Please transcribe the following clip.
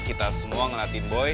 kita semua ngeliatin boy